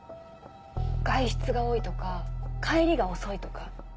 外出が多いとか帰りが遅いとか。